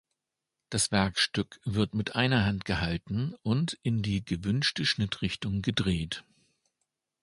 Das Werkstück wird mit einer Hand gehalten und in die gewünschte Schnittrichtung gedreht.